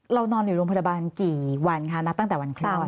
นอนอยู่โรงพยาบาลกี่วันคะนับตั้งแต่วันคลอด